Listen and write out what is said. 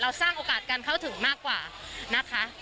สร้างโอกาสการเข้าถึงมากกว่านะคะ